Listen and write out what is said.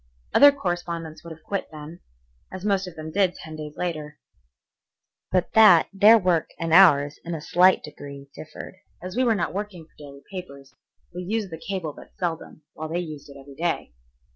Other correspondents would have quit then, as most of them did ten days later, but that their work and ours in a slight degree differed. As we were not working for daily papers, we used the cable but seldom, while they used it every day.